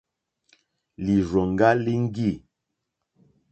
Lìrzòŋɡá líŋɡî.